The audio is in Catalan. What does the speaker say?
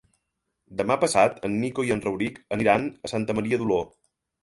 Demà passat en Nico i en Rauric aniran a Santa Maria d'Oló.